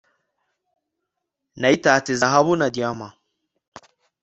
nayitatse zahabu na diamand